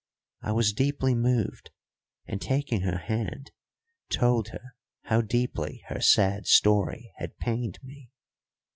I was deeply moved, and, taking her hand, told her how deeply her sad story had pained me.